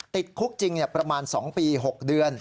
ติดคุกจริงประมาณ๒ปี๖เดือน